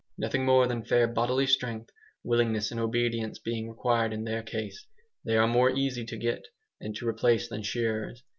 Nothing more than fair bodily strength, willingness and obedience being required in their case, they are more easy to get and to replace than shearers.